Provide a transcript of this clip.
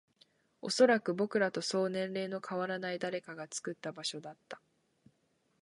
おそらく、僕らとそう年齢の変わらない誰かが作った場所だった